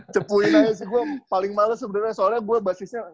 cepuin aja sih gue paling males sebenarnya soalnya gue basisnya